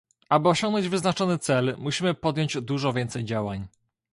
Aby osiągnąć wyznaczony cel, musimy podjąć dużo więcej działań